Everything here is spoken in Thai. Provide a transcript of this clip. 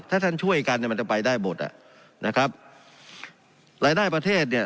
ถ้าท่านช่วยกันเนี่ยมันจะไปได้หมดอ่ะนะครับรายได้ประเทศเนี่ย